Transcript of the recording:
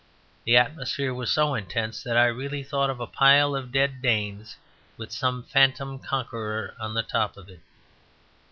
The atmosphere was so intense that I really thought of a pile of dead Danes, with some phantom conqueror on the top of it.